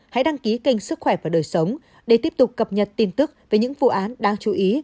hãy đăng ký kênh sức khỏe và đời sống để tiếp tục cập nhật tin tức về những vụ án đáng chú ý